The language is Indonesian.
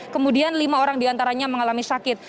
kemudian lima orang di antaranya mengalami sakit